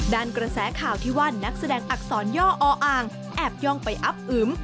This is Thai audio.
กระแสข่าวที่ว่านักแสดงอักษรย่ออ่างแอบย่องไปอับอึม